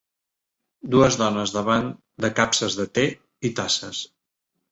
Dues dones davant de capses de té i tasses.